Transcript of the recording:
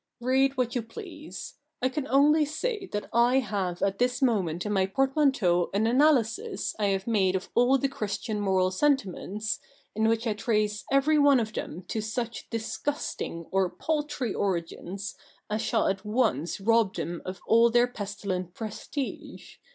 ' Read what you please. I can only say that I have at this moment in my portmanteau an analysis I have made of all the Christian moral sentiments, in which I trace every one of them to such disgusting or paltry origins as shall at once rob them of all their pestilent prestige.